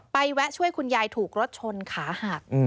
แวะช่วยคุณยายถูกรถชนขาหัก